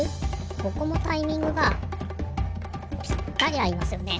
ここもタイミングがぴったりあいますよね。